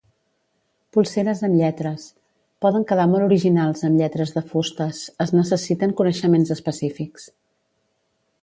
Polseres amb lletres: poden quedar molt originals amb lletres de fustes, es necessiten coneixements específics.